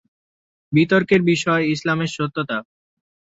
বিতর্কের বিষয় ইসলামের সত্যতা।